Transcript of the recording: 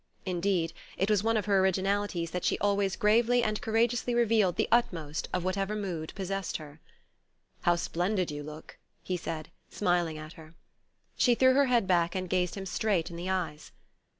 Indeed, it was one of her originalities that she always gravely and courageously revealed the utmost of whatever mood possessed her. "How splendid you look!" he said, smiling at her. She threw her head back and gazed him straight in the eyes.